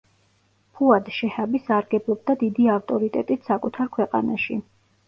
ფუად შეჰაბი სარგებლობდა დიდი ავტორიტეტით საკუთარ ქვეყანაში.